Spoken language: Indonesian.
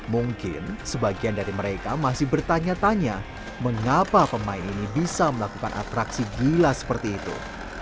mungkin sebagian dari mereka masih bertanya tanya mengapa pemain ini bisa melakukan atraksi gila seperti itu